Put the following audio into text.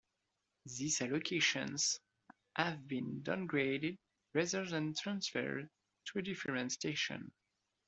These allocations have been downgraded rather than transferred to a different station.